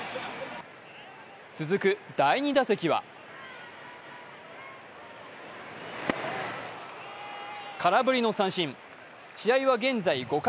続く第２打席は空振りの三振、試合は現在５回。